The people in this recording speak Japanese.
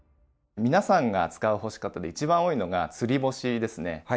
皆さんが使う干し方で一番多いのが「つり干し」ですね。